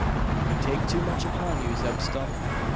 "You take too much upon you, Zeb Stump.